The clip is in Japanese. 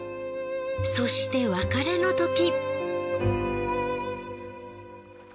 そして別れのとき。